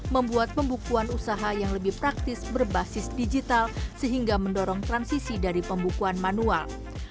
membuat pembukuan usaha yang lebih praktis berbasis digital sehingga mendorong transisi dari pembukuan manual